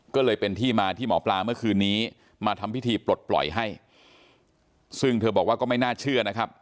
ก็เลยเป็นที่มาที่หมอปลาเมื่อคืนนี้มาทำพิธีปลดปล่อยให้ซึ่งเธอบอกว่าก็ไม่น่าเชื่อนะครับ